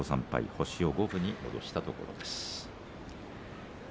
星を五分に戻したところです。